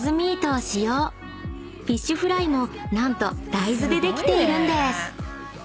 ［フィッシュフライも何と大豆でできているんです］